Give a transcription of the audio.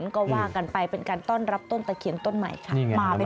ก็ว่ากันไปเป็นการต้อนรับต้นตะเคียนต้นใหม่ค่ะ